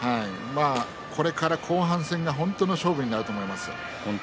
これから後半戦が本当の勝負になると思います。